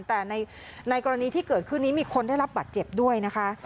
แต่ในกรณีที่เกิดขึ้นนี้มีคนได้รับบัตรเจ็บด้วยนะคะ